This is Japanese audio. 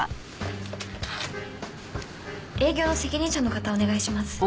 営業の責任者の方お願いします。